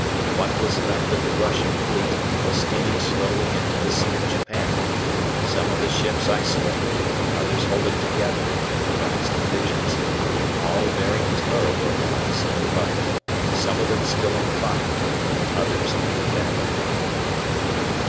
What was left of the Russian fleet was steaming slowly into the Sea of Japan, some of the ships isolated, others holding together in improvised divisions, all bearing terrible marks of the fight, some of them still on fire, others leaking badly.